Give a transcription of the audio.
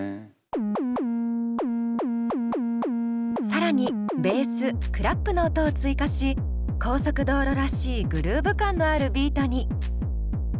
更にベースクラップの音を追加し高速道路らしいグルーヴ感のあるビートに。